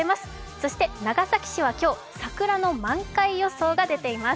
そして長崎市は今日、桜の満開予想が出ています。